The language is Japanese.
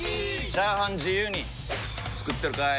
チャーハン自由に作ってるかい！？